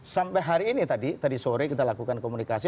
sampai hari ini tadi tadi sore kita lakukan komunikasi